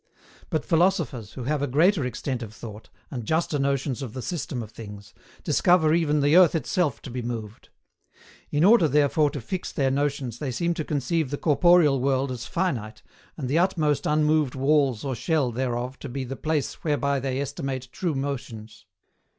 But philosophers, who have a greater extent of thought, and juster notions of the system of things, discover even the earth itself to be moved. In order therefore to fix their notions they seem to conceive the corporeal world as finite, and the utmost unmoved walls or shell thereof to be the place whereby they estimate true motions.